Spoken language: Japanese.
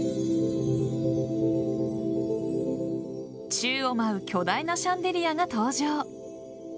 宙を舞う巨大なシャンデリアが登場。